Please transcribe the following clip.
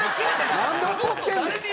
なんで怒ってんねん。